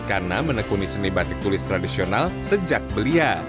karena menekuni seni batik tulis tradisional sejak belia